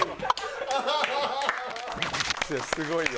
すごいよ。